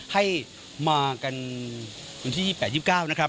ให้มากันวันที่๒๘๒๙นะครับ